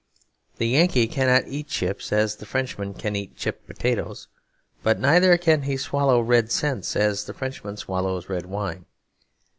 The Yankee cannot eat chips as the Frenchman can eat chipped potatoes; but neither can he swallow red cents as the Frenchman swallows red wine.